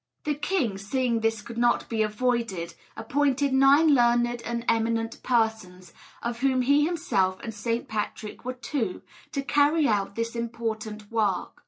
The king, seeing this could not be avoided, appointed nine learned and eminent persons of whom he himself and St. Patrick were two to carry out this important work.